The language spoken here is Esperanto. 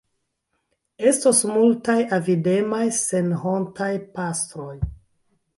Estos multaj avidemaj senhontaj pastroj.